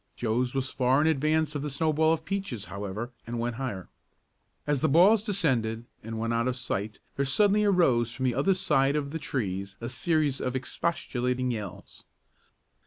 Joe's was far in advance of the snowball of Peaches, however, and went higher. As the balls descended and went out of sight, there suddenly arose from the other side of the trees a series of expostulating yells.